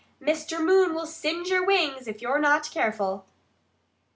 Mr. Moon will singe your wings if you're not careful."